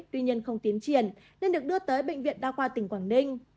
tuy nhiên không tiến triển nên được đưa tới bệnh viện đa khoa tỉnh quảng ninh